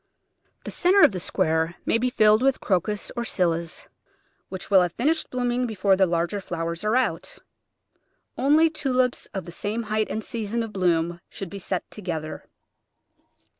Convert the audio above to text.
The centre of the square may be filled with Crocus or Scillas, which will have finished blooming before the larger flowers are out. Only Tulips of the same height and season of bloom should be set together.